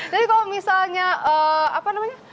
jadi kalau misalnya apa namanya